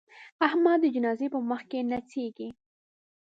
احمد د جنازې په مخ کې نڅېږي.